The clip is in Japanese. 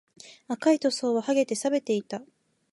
赤い塗装は剥げて、錆びていた